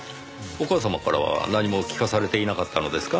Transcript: お母様からは何も聞かされていなかったのですか？